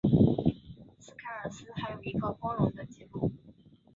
斯凯尔斯还有一个光荣的记录。